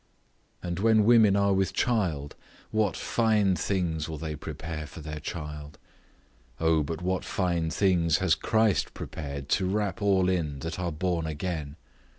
And when women are with child, what fine things will they prepare for their child! O but what fine things has Christ prepared to wrap all in that are born again!